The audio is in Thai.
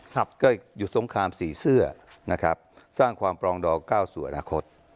ก็อยู่สงครามสี่เสื้อนะครับสร้างความปลองดอง๙ส่วนอาคต